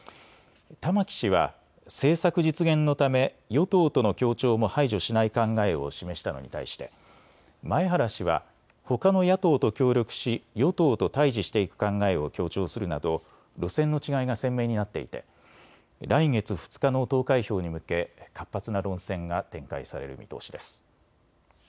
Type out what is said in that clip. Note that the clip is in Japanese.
玉木氏は政策実現のため与党との協調も排除しない考えを示したのに対して前原氏はほかの野党と協力し与党と対じしていく考えを強調するなど路線の違いが鮮明になっていて来月２日の投開票に向け活発な論戦が展開される見通しです。